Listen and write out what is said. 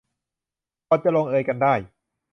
ก่อนจะลงเอยกันได้